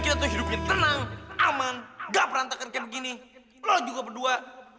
kita tuh hidupnya tenang aman gak berantakan kayak begini lo juga berdua